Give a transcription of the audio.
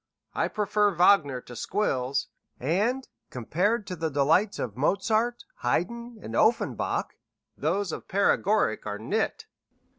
I prefer Wagner to squills, and, compared to the delights of Mozart, Hayden, and Offenbach, those of paregoric are nit."